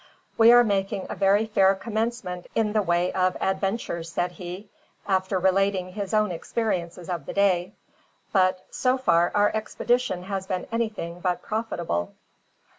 "We are making a very fair commencement in the way of adventures," said he, after relating his own experiences of the day, "but so far our expedition has been anything but profitable."